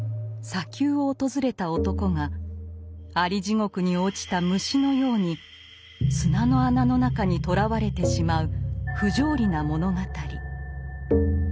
砂丘を訪れた男がアリ地獄に落ちた虫のように砂の穴の中にとらわれてしまう不条理な物語。